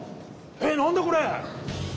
えっなんだ？これ。